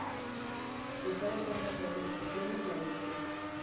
Pesada carga traía en sus lomos la bestia.